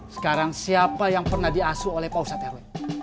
sekarang siapa yang pernah diasuh oleh pak ustadz rw